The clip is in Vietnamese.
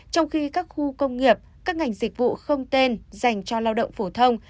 trong khi các khu công nghiệp các ngành dịch vụ không tên dành cho lao động phổ thông